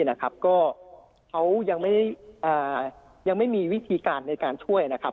แหละครับก็เขายังไม่มีวิธีการช่วยนะคะ